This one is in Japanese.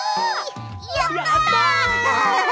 やった！